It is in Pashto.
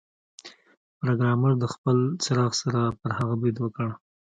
پروګرامر د خپل څراغ سره پر هغه برید وکړ